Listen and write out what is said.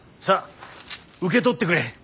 さあ受け取ってくれ。